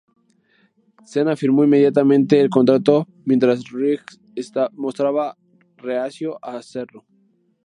Cena firmó inmediatamente el contrato mientras Reigns se mostraba reacio a hacerlo.